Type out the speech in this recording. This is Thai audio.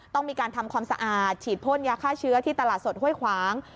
ต้องมีการทำความสะอาดฉีดพ่นยาฆ่าเชื้อที่ตลาดสดห้วยขวาง